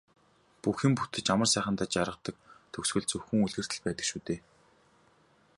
Бүх юм бүтэж амар сайхандаа жаргадаг төгсгөл зөвхөн үлгэрт л байдаг шүү дээ.